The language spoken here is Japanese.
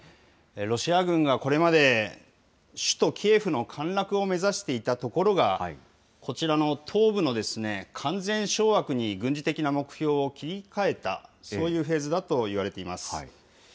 ロシア軍がこれまで、首都キエフの陥落を目指していたところが、こちらの東部の完全掌握に軍事的な目標を切り替えた、そういうフェーズだといわれています。